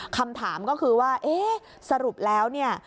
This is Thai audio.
คำถามก็คือว่าเอ๊ะสรุปแล้วเนี่ย